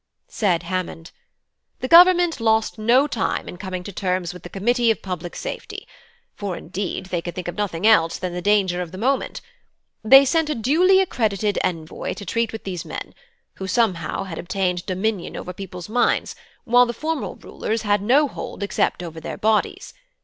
Said Hammond: "The Government lost no time in coming to terms with the Committee of Public Safety; for indeed they could think of nothing else than the danger of the moment. They sent a duly accredited envoy to treat with these men, who somehow had obtained dominion over people's minds, while the formal rulers had no hold except over their bodies.